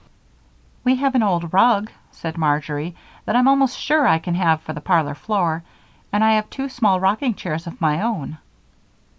"We have an old rug," said Marjory, "that I'm almost sure I can have for the parlor floor, and I have two small rocking chairs of my own."